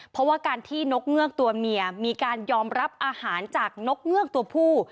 เพราะว่าการที่นกเงือกตัวเมียมีการยอมรับอาหารจากนกเงือกตัวผู้